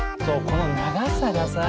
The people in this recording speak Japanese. この長さがさ。